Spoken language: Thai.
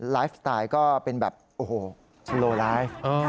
ไลฟ์สไตล์ก็เป็นแบบโอ้โหโลไลฟ์